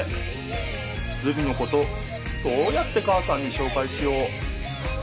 ズビのことどうやって母さんにしょうかいしよう。